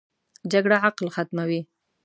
جګړه عقل ختموي